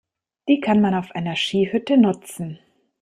Die kann man auf einer Skihütte nutzen.